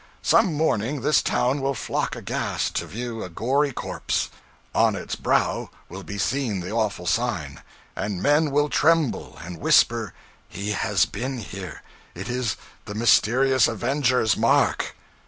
Some morning this town will flock aghast to view a gory corpse; on its brow will be seen the awful sign, and men will tremble and whisper, "He has been here it is the Mysterious Avenger's mark!"